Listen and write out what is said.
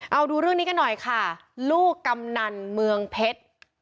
เอาดูเรื่องนี้กันหน่อยค่ะลูกกำนันเมืองเพชร